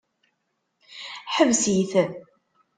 Ḥbes-it!